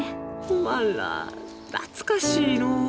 おまんら懐かしいのう。